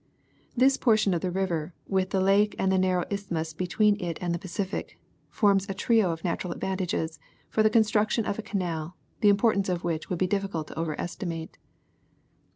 This por tion of the river with the lake and the narrow isthmus between it and the Pacific forms a trio of natural advantages for the con struction of a canal, the importance of which it would be difficult to over estimate.